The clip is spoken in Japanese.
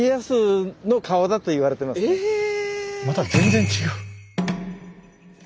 また全然違う。